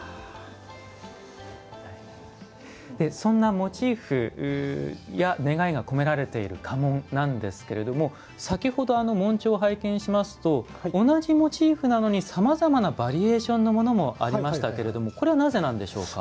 そんなモチーフや願いが込められている家紋なんですけど先ほど、紋帳を拝見しますと同じモチーフなのにさまざまなバリエーションのものありましたけれどもこれは、なぜなんでしょうか？